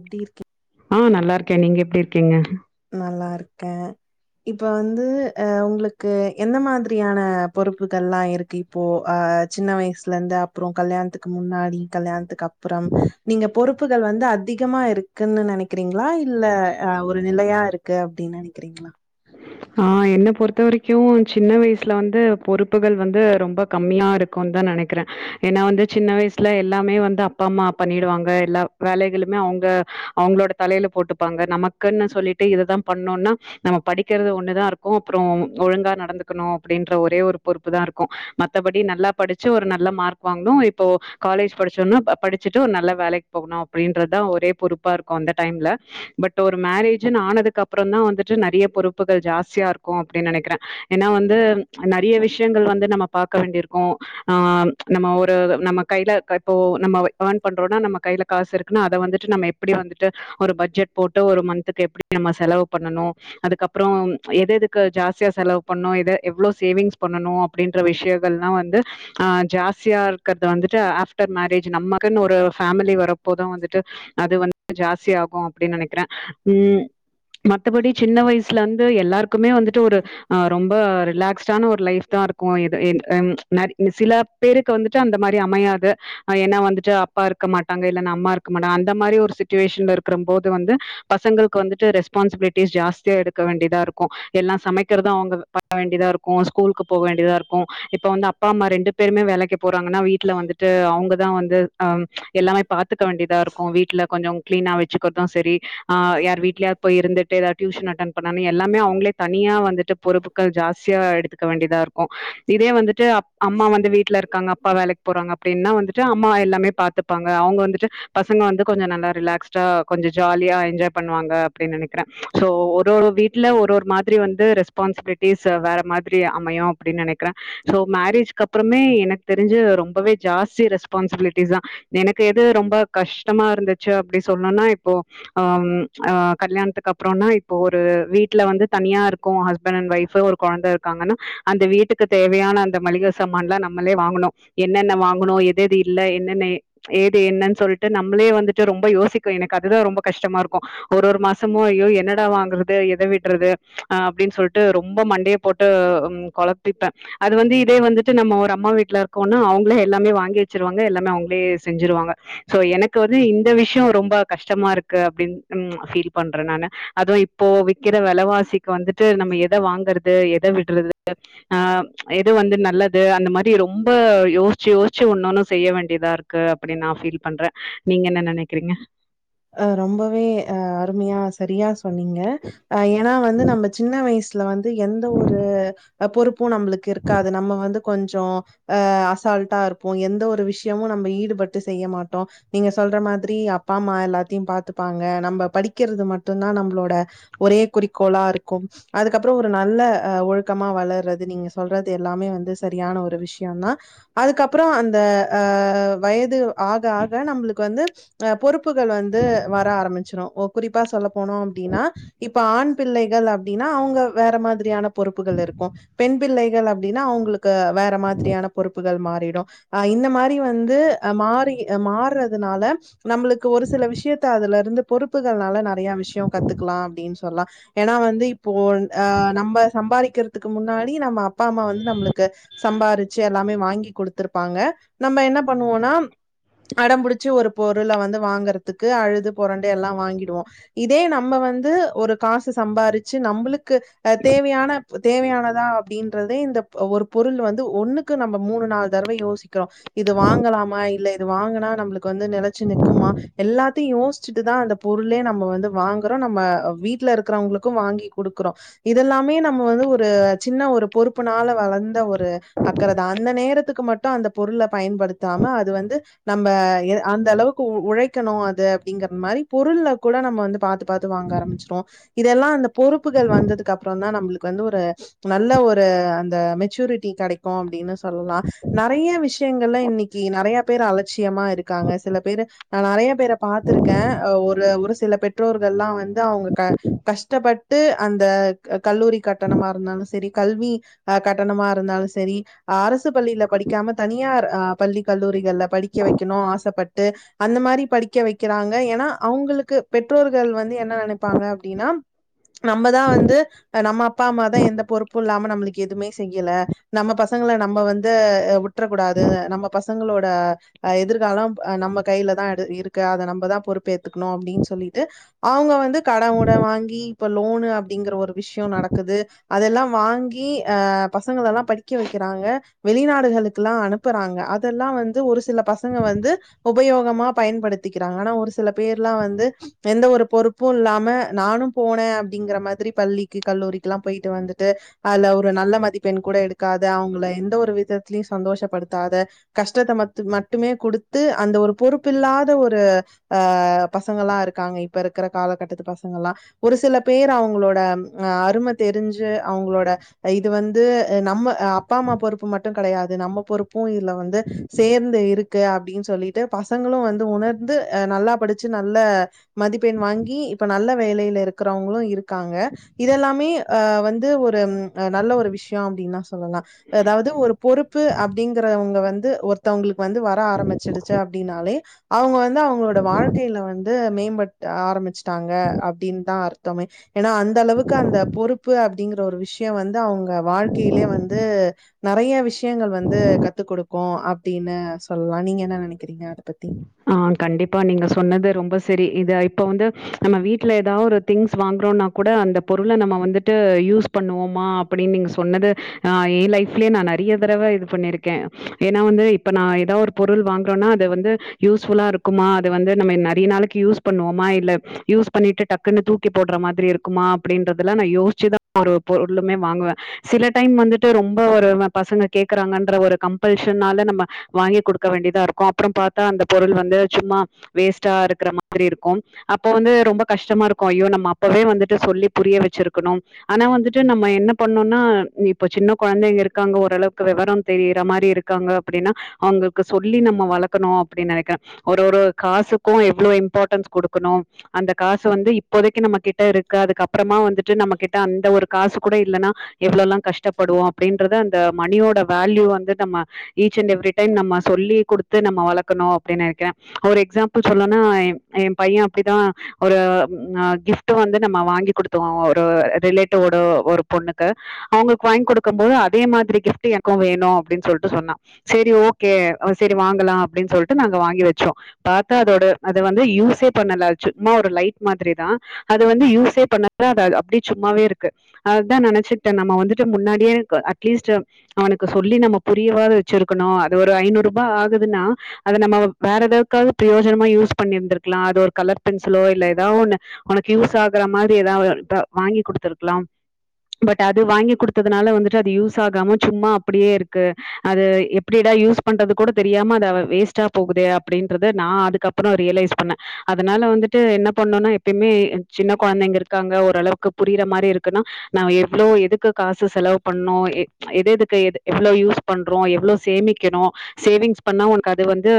எப்டிருக்கி ஆ நல்லா இருக்க நீங்க எப்டி இருக்கீங்க நல்லா இருக்க இப்ப வந்து அ உங்களுக்கு எந்த மாதிரியான பொறுப்புகள்ளா இருக்கு இப்போ ஆ சின்ன வயசுலருந்து அப்புறொ கல்யாண்த்துக்கு முன்னாடி கல்யாண்த்துக் அப் அப்புறம் நீங்க பொறுப்புகள் வந்து அது அதிகமா இருக்குன்னு நெனைக்கிறீங்ளா இல்ல அ ஒரு நிலையாருக்கு அப்டின் நெனைக்கிறிங்ளா ஆ என்ன பொறுத்த வரைக்கு சின்ன வயசுல வந்து பொறுப்புகள் வந்து ரொம்ப கம்மியாருக்குந்தா நெனைக்கிற ஏன்னா வந்து சின்ன வயசுல எல்லாமே வந்து அப்பா அம்மா பண்ணிடுவாங்க எல்லா வேலைகளுமே அவுங்க அவுங்களோட தலையில போட்டுப்பாங்க நமக்குன்னு சொல்லிட்டு இதுதா பண்ணொனா நம்ம படிக் க்கிறது ஒன்னு தா இருக்கு அப்புறோ ஒழுங்கா நடந்துக்கணு அப்டின்ற ஒரே ஒரு பொறுப்புதா இருக்கு மத்தபடி நல்லா படிச்சு ஒரு நல்ல மார்க் வாங்ணு இப்போ காலேஜ் படிச்சோனா ப படிச்சுட்டு ஒரு நல்ல வேலைக் போகணு அப்டின்றதா ஒரே பொறுப்பாருக்கு அந்த டைம்ல பட் ஒரு மேரேஜ்ஜுன் ஆனதுக்கப்புறோந்தா வந்துட்டு நறைய பொறுப் புகள் ஜாஸ்தியா இருக்ககோ அப்டின் நெனைக்கிறே ஏன்னா வந்து ச்ச நெறைய விஷ்யங்கள் வந்து நம்ம பாக்கே வேண்டியிர்க்கோ ஆ ச்ச நம்மோ ஒரு வு நம்ம கைல கட் போ நம்மவை அர்ன் பண்றோனா நம்ம கைல காஸ் இருக்குனா அத வந்துட்டு நம்மே எப்புடியு வந்துட்டு ஒரு பட்ஜெட் போட்டு ஒரு மந்துக்கு எப்டி நம்மே செலவு பண்ணணோ அதுக்கப் ப்றோம் ச்ச எத் எதுக்கு ஜாஸ்தியா செலவு பண்ணோ இத எவ்ளோ சேவிங்ஸ் பண்ணணூ அப்டின்ற விஷ்யூகள்ளா வந்து அ ஜாஸ்தியாயிர்க்கற்த வந்துட்டு ஆஃப் டர் மேரேஜ் நம்மகுன்னு ஒரு ஃபேமிலி வரப்போதோ வந்துட்டு அது வந் ஜாஸ்தியாகோ அப்டின் நெனக்கிறே ம் ச்ச மத்தபடி சின்ன வயிஸ் லந்து எல்லாரு குமே வந்துட்டு ஒரு ஆ ரொம்பே ரிலாக்ஸ்டுடான ஒரு லைஃப்தா இருக்கோ இது இந் எம் நரி இனு சில பேருக்கு வந்துட்டு அந்த மாரி அமையாது அ ஏனா வந்துட்டு அப்பா இருக்க மாட்டாங்கே இல்லன் அம்மா இருக்க மாட்டாங்கே அந்த மாரி ஒரு சிச்சுவேஷன்லே இருக்கறம்போது வந்து பசங்கள்க்கு வந்துட்டு ரிஸ்பான்சிபிலிட்டிஸ் ஜாஸ்தியா எடு க்க வேண்டிதாயிருக்கோ எல்லா சமைக்கிறதோ அவுங்கதா பண்ணே வேண்டிதாயிருக்கோ ஸ்கூலுக் போக வேண்டிதாயிருக்கோ இப்போ வந்து அப்பா அம்மா ரெண்டு பேருமே வேலக்கி போறாங்கன்னா வீட்லே வந்துட்டு அவுங்க தா வந்து அம் ச்ச எல்லாமே பாத்துக்கே வேண்டிதாயிருக்கோ வீட்லே கொஞ்சோ க்ளீன்னா வெச்சுக்கர்தூ செரி ஆ யார் வீட்லியா போயி இருந்துட்டு எதாத் டியூஷன் அட்டன் பண்ணாமே எல்லாமே அவுங்ளே தனியா வந்துட்டு பொறுப்புகள் ஜாஸ்தியா எடுத்துக்கே வேண்டிதாயிருக்கோ இதே வந்துட் ட்டு அப் அம்மா வந்து வீட்லே இர்க்காங்கே அப்பா வேலக்கி போறாங்கப் ப்டினா வந்துட்டு அம்மா எல்லாமே பாத்துப்பாங்கே அவுங்க வந்துட்டு பசங்க வந்து கொஞ்ச நல்லா ரிலாக்ஸ்ட்டா கொஞ்ச ஜாலியா என்ஜாய் பண்ணுவாங்கே அப்டின் நெனைக்கிறே சோ ஒ ரோடோ வீட்லே ஒரு ஒரு மாதிரி வந்து ரெஸ்பான்சிபிலிட்டிஸ் வேற மாதிரி அமையோ அப்டின் நெனைக்கிறே சோ மேரேஜ்க்கப்றமே எனக் தெரிஞ்சு ரொம்பவே ஜாஸ்தி ரெஸ்பான்சிபிலிட்டிஸ்தா எனக்கு எது ரொம்பா கஷ்டமா இருந்துச்சு அப்டி சொல்னுனா இப்போ அம் ஆ கல்யாண்த்துக்கப்றோனா இ ப்போ ஒரு வீட்லே வந்து தனியாயிருக்கோ ஹஸ்பண்ட் அண்ட் ஒய்ஃப்பூ ஒரு கொழந்த இருக்காங்கனா அந்த வீட்டுக்கு தேவையான அந்த மளிக சாமான்லா நம்மளே வாங்கணு என்னென்னே வாங்கணு எத்தெது இல்லே என்னென்னே எ ச்ச ஏது என்னன் சொல்ட்டு நம்மளே வந்துட்டு ரொம்பே யோசிக்கோ எனக் அதுதா ரொம்பே கஷ்டமாயிருக்கோ ஒரொரு மாசமு ஐயோ என்னே தா வாங்குறுது எத விட்றது அ அப்டின் சொல்ட்டு ரொம்பே மண்டையே போட்டு ம் கொழப்பிப்பே அது வந்து இதே வந்துட்டு நம்மோ ஒரு அம்மா வீட்லே இருக்கோனா அவுங்ளே எல்லாமே வாங்கி வெச்சிருவாங்கே எல்லாமே அவுங்ளே செஞ்சிருவாங்கே சோ எனக்கு வந்து இந்த விஷ்யோ ரொம்பா கஷ்டமாயிருக்கு அப்டின் ம் அத் ஃபீலி பண்ற நானு அதுவு இப்போ விக்கிற வெலவாசிக் வந்துட்டு நம்ம எத வாங்கறது எத விட்டுறது ஆம் ச்ச எது வந்து நல்லது அந்த மாரி ரொம்பே யோஸ்ச்சு யோஸ்ச்சு ஒன்னொன்னு செய்ய வேண்டிதாயிருக்கு அப்டின் நா ஃபீல் பண்றே நீங்கே என்னா நெனைக்கிறீங்கே ஆ ரொம்பவே ஆ அருமியா செரியா சொன்னீங்கே ஆ ஏனா வந்து நம்ம சின்ன வயிஸ்ல வந் து எந்த ஒரு அ பொறுப்பூ நம்புளுக்கு இருக்காது நம்ம வந்து கொஞ்சோ ஆ அசால்ட்டாயிருப்போ எந்த ஒரு விஷ்யமு நம்ப ஈடுபட்டு செய்ய மாட்டோ நீங்கே சொல்ற மாதிரி அப்பாம்மா எல்லாத் தீம் பாத்துப்பாங்க நம்ப படிக்கிறது மட்டுந்தா நம்பளோட ஒரே குறிக்கோளாருக்கும் அதுக்கப்பற ஒரு நல்ல அ ஒழுக்கமா வளரறது நீங்க சொல்றது எல்லாமே வந்து சரியான ஒரு விஷயன்னா அதுக்கப்பற அந்த அ அ வயது ஆக ஆக நம்புளுக்கு வந்து அ பொறுப்புகள் வந் ந்து வர ஆரம்பிச்சுரு ஓ குறிப்பா சொல்ல போனோ அப்பிடின்னா இப்ப ஆண் பிள்ளைகள் அப்பிடின்னா அவுங்க வேற மாதிரியான பொறுப்புகள் இருக்கு பெண் பிள்ளைகள் அப்பிடின்னா அவுங்களுக் க்கு வேற மாதிரியான பொறுப்பு ப்புகள் மாறிடு ஆ இந்த மாரி வந்து அ மாறி மாறதுனால நம்புளுக்கு சில விஷயத்த அதுல இருந்து பொறுப்புகள்னால நறைய விஷயம் கத்துக்கலாம் அப்பிடின்னு சொல்லலாம் ஏன்னா வந்து இப்போ அ நம்ப சம்பாதிக்கிறதுக்கு முன்னாடி நம்ம அப்பா அம்மா வந்து நம்மளுக்கு சம்பாதிச்சு எல்லாமே வாங்கி குடுத்துருப்பாங்க நம்ம என்ன பண்ணுவோம்னா அடம்புடிச்சு ஒரு பொருள வந்து வாங்கறது துக்கு அழுது பொரண்டு எல்லாம் வாங்கிடுவோம் இதே நம்ம வந்து ஒரு காசு சம்பாரிச்சு நம்புளுக்கு அ தேவையான தேவையானதா அப்பிடின்றதே இந்த ஒரு பொருள் வந்து ஒண்ணுக்கு நம்ம மூணு நாலு தடவ யோசிக்கிறோம் இது வாங்கலாமா இல்ல இது வாங்கனா நம்புளுக்கு வந்து நெலைச்சு நிக்குமா எல்லாத்துயும் யோசிச்சுட்டு தான் அந்த பொருளே நம்ப வந்து வாங்குறோம் நம்ம வீட்ல இருக்கிறவங்களுக்கும் வாங்கி குடுக்கறோம் இதெல்லாமே நம்ம வந்து ஒரு சின்ன ஒரு பொறுப்புனால வளர்ந்த ஒரு அக்கறதா அந்த நேரத்துக்கு மட்டும் அந்த பொருள பயன்படுத்தாம அது வந்து நம்ப எ அந்த அளவுக்கு ஒழை விக்கணும் அது அப்பிடிங்கற மாரி பொருள்ள கூட நம்ம வந்து பாத்து பாத்து வாங்க ஆரம்பிச்சுட்டோம் இதெல்லாம் அந்த பொறுப்புகள் வந்ததுக்கு அப்பறம் தான் நம்புளுக்கு வந்து ஒரு நல்ல ஒரு அந்த மெச்சூரிட்டி கடைக்கும் அப்பிடின்னு சொல்லலாம் நறைய விஷயங்கள்ல இன்னிக்கு நறைய பேர் அலட்சியமா இருக்காங்க சில பேரு நா நறைய பேர பாத்திருக்கேன் ஒரு ஒரு சில பெற்றோர்கல்லாம் வந்து து அவுங்க கஷ்டப்ப ட்டு அந்த கல்லூரி கட்டணமா இருந்தாலும் சரி கல்வி அ கட்டணமா இருந்தாலும் சரி அரசு அரசு பள்ளியில படிக்காம தனியார் ஆ பள்ளி கல்லூரிகள்ல படிக்க வைக்கணும் ஆசப்பட்டு அந்த மாதிரி படிக்க வைக்கிறாங்க ஏன்னா அவங்களுக்கு பெற்றோர்கள் வந்து என்ன நினப் பாங்க அப்படின்னா நம்மதா வந்து நம்ம அப்பா அம்மா தா எந்த பொறுப்பு இல்லாம நம்மளுக்கு எதுவுமே செய்யல நம்ம பசங்கள நம்ம வந்து விட்டறக்கூடாது நம்ம பசங்களோட எதிர்காலம் நம்ம கையிலதா இருக்கு அத நம்மதா பொறுப்பு ஏத்துக்கணும் அப்படின்னு சொல்லிட்டு அவங்க வந்து கட உட வாங்கி இப்ப லோனு அப்படிங்கற ஒரு விஷயம் நடக்குது அதெல்லாம் வாங்கி ஆ ப பசங்க எல்லா படிக்க வைக்கிறாங்க வெளிநாடுகளுக்குல்லா அனுப்புறாங்க அது இதெல்லாம் வந்து ஒரு சில பசங்க வந்து உபயோகமா பயன்படுத்திக்கிறாங்க ஆனா ஒரு சில பேர்லாம் வந்து எந்த ஒரு பொறுப்பும் இல்லாம நானும் போனே அப்படிங்கிற மாதிரி பள்ளிக்கு கல்லூரிக்குல்லாம் போயிட்டு வந்துட்டு அதுல ஒரு நல்ல மதிப்பெண் கூட எடுக்காது அவங்கள எந்த ஒரு விதத்துலயையும் சந்தோஷப்படுத்தாத கஷ்டத்த மட்டுமே குடுத்து அந்த ஒரு பொறுப்பில்லாத ஒரு அ பசங்களா இருக்காங்க இப்ப இருக்கிற காலகட்டத்து பசங்கள்ல்லாம் ஒரு சில பேர் அவங்களோட அ அரும தெரிஞ்சு அவங்களோட இது வந்து நம்ம அப்பா அம்மா பொறுப்பு மட்டும் கிடையாது நம்ம பொறுப்பும் இதுல வந்து சேர்ந்து இருக்கு அப்படின்னு சொல்லிட்டு பசங்களும் வந்து உணர்ந்து நல்லா படிச்ச நல்ல மதிப்பெண் வாங்கி இப்ப நல்ல வேலைல இருக்கிறவங்களும் இருக்காங்க இதெல்லாமே வந்து ஒரு நல்ல ஒரு விஷயம் அப்படின்னா சொல்லலா அதாவது ஒரு பொறுப்பு அப்படிங்கற வந்து ஒருத்தவங்களுக்கு வந்து வர ஆரம்பிச்சடுச்ச அப்படின்னாலே அவங்க வந்து அவங்களோட வாழ்க்கையில வந்து மேம்பட்டு ஆரம்பிச்சட்டாங்க அப்படின்னு தான் டோம்மே ஏன்னா அந்த அளவுக்கு அந்த பொறுப்பு அப் டிங்கிற ஒரு விஷயம் வந்து அவங்க வாழ்க்கையிலயே வந்து நிறைய விஷயங்கள் வந்து கத்து கொடுக்கும் அப்படின்னு சொல்லலாம் நீங்க என்ன நினைக் கிறீங்க அத பத்தி ஆ கண்டிப்பா நீங்க சொன்னது ரொம்ப சரி இத இப்ப வந்து நம்ம வீட்டுல ஏதாவது ஒரு திங்ஸ் வாங்குறோம்னா கூட அந்த பொருள நம்ம வந்துட்டு யூஸ் பண்ணுவோமா அப்படின்னு நீங்க சொன்னது அ என் லைஃப்லயே நா நிறைய தடவை இது பண்ணிருக்கேன் ஏன்னா வந்து இப்ப நா ஏதாவது ஒரு பொருள் வாங்குறோம்னா அத வந்து யூஸ்ஃபுல்லா இருக்குமா அது வந்து நம்ம நிறைய நாளைக்கு யூஸ் பண்ணுவோமா இல்ல யூஸ் பண்ணிட்டு டக்குன்னு தூக்கி போடுற மாதிரி இருக்குமா அப்படின்றதுல நா யோசிச்சுதா ஒரு பொருளுமே வாங்குவேன் சில டைம் வந்துட்டு ரொம்ப ஒரு பசங்க கே்கறாங்கன்ற ஒரு கம்பல்ஷனால நம்ம வாங்கி கொடுக்க வேண்டியதா இருக்கும் அப்புறம் பாத் தா அந்த பொருள் வந்து சும்மா வேஸ்ட்டா இருக்கிற மாதிரி இருக்கும் அப்ப வந்து ரொம்ப கஷ்டமா இருக்கும் ஐயோ நம்ம அப்பவே வந்துட்டு சொல்லி புரிய வச்சிருக்கணும் ஆனா வந்துட்டு நம்ம என்ன பண்ணும்னா இப்ப சின்ன குழந்தைங்க இருக்காங்க ஓரளவுக்கு விவரம் தெரியற மாதிரி இருக்காங்க அப்படின்னா அவங்களுக்கு சொல்லி நம்ம வளர்க்கணும் நினைக்க ஒரு ஒரு காசுக்கும் எவ்ளோ இம்பார்டன்ஸ் கொடுக்கணும் அந்த காசு வந்து இப்போதைக்கு நம்ம கிட்ட இருக்கு அதுக்கு அப்புறமா வந்து ட்டு நம்ம கிட்ட அந்த ஒரு காசு கூட இல்லன்னா எவ்ளோ எல்லா கஷ்டப்படுவோம் அப்டின்றத அந்த மணியோட வேல்யூ வந்து நம்ம ஈச் அண்ட் எவரி டைம் நம்ம சொல்லி குடுத்து நம்ம வளர்க் கனும் அப்டினு நெனைக்கிறேன் ஒரு எக்ஸாம்பிள் சொல்லனா எ என் பையன் அப்டிதா ஒரு அ கிப்ட் வந்து நம்ம வாங்கி குடுத்தோம் ஒரு ரிலேட்டிவோட ஒரு பொண்ணுக்கு அவங்க வாங்கி குடுக்கும் போது அதே மாதிரி கிப்ட் எனக்கும் வேணும் அப்டின்னு சொல்லிட்டு சொன்னா சரி ஓகே சரி வாங்கலாம் அப்டினு சொல்லிட்டு நாங்க வாங்கி வச்சோம் பாத்தா அதோட அது வந்து யூஸே பண்ணல சும்மா ஒரு லைட் மாதிரி தா அது வந்து யூஸே பண்ண அப்டியே சும்மாவே இருக்கு அதுதா நெனைச்சிட்டேன் நம்ம வந்துட்டு முன்னாடியே அட்லீஸ்ட் அவனுக்கு சொல்லி நம்ம புரியாவது வச்சிருக்கணும் அது ஒரு ஐநூறு ரூபாய் ஆகுதுன்னா அத நம்ம வேற எதாவுக்காவது பிரயோஜனமா யூஸ் பண்ணிருந்திருக்கலாம் அது ஒரு கலர் பென்சிலோ இல்ல ஏதோ ஒன்னு உனக்கு யூஸ் ஆகுற மாதிரி ஏதாவது வாங்கி குடுத்து இருக்கலாம் பட் அது வாங்கி குடுத்ததுனால வந்துட்டு அது யூஸ் ஆகாம சும்மா அப்டியே இருக்கு அது எப்டிடா யூஸ் பண்றது கூட தெரியாம அத வேஸ்ட்டா போகுதே அப்டின்றது நா அதுக்கப்புறம் ரியலைஸ் பண்ணேன் அதனால வந்துட்டு என்ன பண்ணோனா எப்பயுமே சின்ன குழந்தைங்க இருக்காங்க ஓரளவுக்கு புரிற மாரி இருக்குன்னா எவ்வளோ எதுக்கு காசு செலவு பண்ணோம் எ எத எதுக்கு எவ்ளோ யூஸ் பண்றோம் எவ்ளோ சேமிக்கணும் சேவிங்ஸ் பண்ண அது வந்து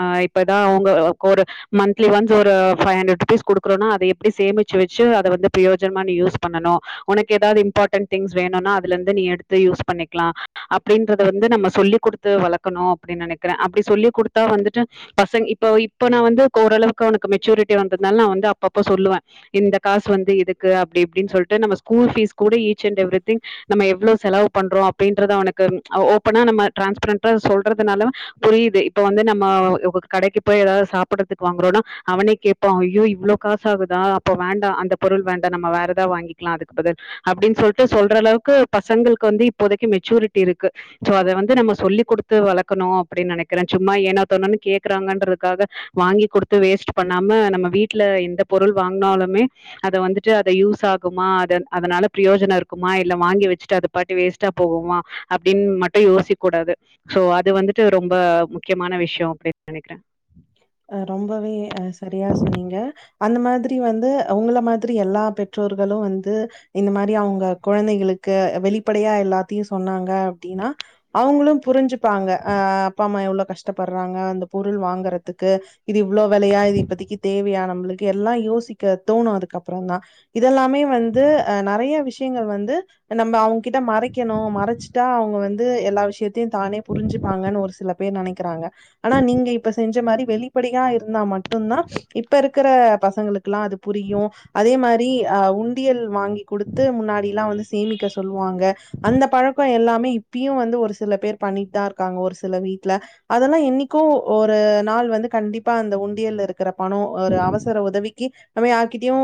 அ இப்ப அவங்க ஒரு மந்திலி ஒன்ஸ் ஒரு ஃபைவ் ஹன்ட்ரெட் கொடுக்கறோனா அத எப்டி சேமிச்சு வச்சு அதை வந்து பிரயோஜனமா நீ யூஸ் பண்ணும் உனக்கு ஏதாவது இம்பார்டன்ட் திங்ஸ் வேணும்னா அதுல இருந்து நீ எடுத்து யூஸ் பண்ணிக்கலாம் அப்படத வந்து நம்ம சொல்லி கொடுத்து வளர்க்கணும் அனு நினைக்கிறேன் அப்படி சொல்லி குடுத்தா வந்துட்டு பசங்க இப்ப இப்ப நா வந்து ஓரளவுக்கு அவனக்கு மெச்சூரிட்டி வந்ததுனால நா வந்து அப்பப்ப சொல்லுவேன் இந்த காசு வந்து இதுக்கு அப்டி இப்டின்னு சொல்லிட்டு நம்ம ஸ்கூல் பீஸ் கூட ஈச் அண்ட் எவ்ரிதிங் நம்ம எவ்ளோ செலவு பண்றோம் அப்பிடின்றத அவனுக்கு ஓப்பனா நம்ம டிரான்ஸ்பரண்டா சொல்றதுனால புரியுது இப்ப வந்து நம்ம கடைக்கு போய் ஏதாவது சாப்பிடறதுக்கு வாங்குறோம்னா அவனே கேட்பா ஐயோ இவ்வளோ காசு ஆகுதா அப்ப வேண்டாம் அந்த பொருள் வேண்டாம் நம்ம வேற ஏதாவது வாங்கிக்கலாம் அதுக்கு பதில் அப்டின்னு சொல்லிட்டு சொல்ற அளவுக்கு பசங்களுக்கு வந்து இப்போதைக்கு மெச்சூரிட்டி இருக்கு சோ அத வந்து நம்ம சொல்லி் கொடுத்து வளர்க்கணும் அப்டினு நெனைக்கிறேன் சும்மா ஏனா தோணுன்னு கேக்குறாங்கன்றதுக்காக வாங்கி கொடுத்து வேஸ்ட் பண்ணாம நம்ம வீட்டுல எந்த பொருள் வாங்கினாலுமே அத வந்துட்டு அத யூஸ் ஆகுமா அத அதனால பிரயோஜனம் இருக்குமா இல்ல வாங்கி வச்சுட்டு அத பாட் வேஸ்ட்டா போகுமா அப்டின்னு மட்டும் யோசிக்க கூடாது சோ அது வந்து ட்டு ரொம்ப முக்கியமான விஷயம் அப்டினு நெனைக்கிற அ ரொம்பவே அ சரியா சொன்னீங்க அந்த மாதிரி வந்து அவங்கள மாதிரி எல்லா பெற்றோர்களும் வந்து இந்த மாரி அவங்க குழந்தைகளுக்கு வெளிப்படையா எல்லாத்தையும் சொன்னாங்க அப்பிடின்னா அவங்களும் புரிஞ்சுப்பாங்க அ அப்பா அம்மா எவ்வளவு கஷ்டப்படுறாங்க அந்த பொருள் வாங்குறது க்கு இது இவ்ளோ விலைய இப்பதைக்கு தேவையா நம் எல்லாம் யோசிக்க தோணும் அதுக்கப்புறம் தா இதெல்லாமே வந்து ஆ நெறைய விஷயங்கள் வந்து நம்ம அவங்ககிட்ட மறைக்கணும் மறைச்சிட்டா அவங்க வந்து எல்லா விஷய த்தை தானே புரிஞ்சுப்பாங்கனு ஒரு சில பேர் நெனைக்கிறாங்க, ஆனா நீங்க இப்ப செஞ்ச மாரி வெளிப்படையா இருந்தா மட்டுந்தா இப்ப இருக்கிற பசங்களுக் க்லா அது புரியு அதே மா ரி அ உண்டியல் வாங்கி குடுத்து முன்னாடில்லா வந்து சேமிக்க சொல்லுவாங்க அந்த பழக்கோ எல்லாமே இப்பியு வந்து ஒரு சில பேர் பண்ணிட்டு தா இருக்காங்க ஒரு சில வீட்ல அதெல்லா என்னைக்கோ ஒரு நாள் வந் து கண்டிப்பா அந்த உண்டியல்ல இருக்கிற பணம் ஒரு அவசர உதவிக்கு நம்ம யார்கிட்டயு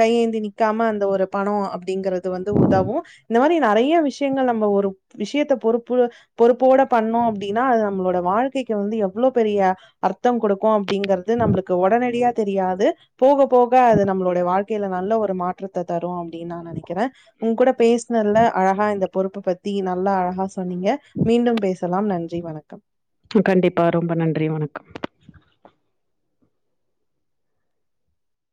கையேந்தி நிக்காம அந்த ஒரு பணோ அப்டிங்கற து வந்து உதவு இந்த மாரி நறைய விஷயங்கள் நம்ம ஒரு விஷயத்த பொறுப்பு பொறுப்போட பண்ணோ அப்டின்னா அது நம்மளோட வாழ்க்கைக்கு வந்து எவ்ளோ பெரிய அர் த்தம் கொடுக்கு அப்டிங்கறது நம்மளுக்கு உடனடியா தெரியாது போக போக அது நம்மளுடைய வாழ்க்கையில நல்ல ஒரு மாற்றத்த தரும் அப்டின்னு நா நெனைக்கிறே உங்க கூட பேசினதுல்ல அழகா இந்த பொறுப்ப பத்தி நல்லா அழகா சொன்னீங்க மீண்டும் பேசலாம் நன்றி வணக்கம் கண்டிப்பா ரொம்ப நன்றி வணக்கம்